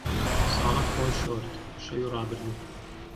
ساڵح خۆی شۆرد، شەوی ڕابردوو.